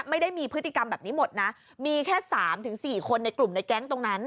ไม่ได้มีพฤติกรรมแบบนี้หมดนะมีแค่๓๔คนในกลุ่มในแก๊งตรงนั้น